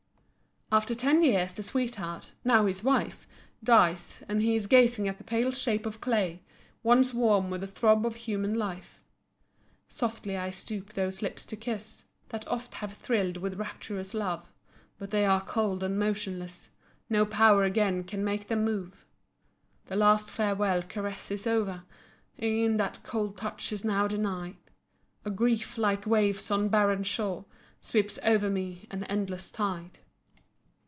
After ten years the sweetheart, now his wife, dies and he is gazing at the pale shape of clay, once warm with the throb of human life. Softly I stoop those lips to kiss, That oft have thrilled with rapturous love, But they are cold and motionless, No power again can make them move. The last farewell caress is o'er, E'en that cold touch is now denied; A grief, like waves on barren shore, Sweeps over me, an endless tide.